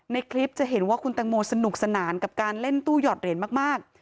ในคลิปจะเห็นว่าคุณตังโมสนุกสนานกับการเล่นตู้หยอดเหรียญมาก